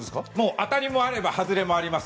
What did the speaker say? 当たりもあれば外れもあります。